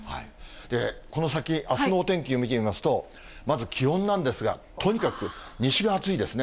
この先、あすのお天気見てみますと、まず気温なんですが、とにかく西が暑いですね。